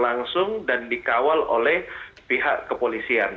langsung dan dikawal oleh pihak kepolisian